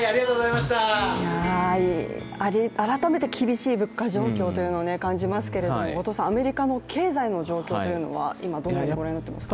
改めて厳しい物価状況というのを感じますが後藤さん、アメリカの経済の状況というのは今、どのようにご覧になっていますか？